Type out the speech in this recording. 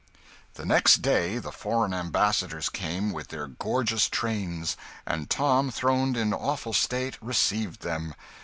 The next day the foreign ambassadors came, with their gorgeous trains; and Tom, throned in awful state, received them.